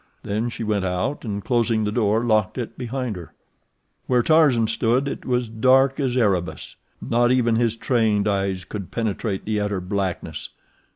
Then she went out, and, closing the door, locked it behind her. Where Tarzan stood it was dark as Erebus. Not even his trained eyes could penetrate the utter blackness.